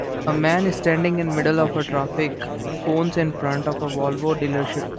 A man standing in the middle of traffic cones in front of a Volvo dealership